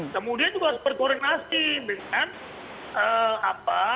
kemudian juga harus berkoordinasi dengan daerah daerah yang kemudian mengatur pihak perdana